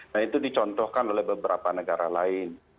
nah itu dicontohkan oleh beberapa negara lain